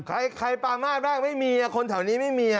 ใครปามาศบ้างไม่มีคนแถวนี้ไม่มี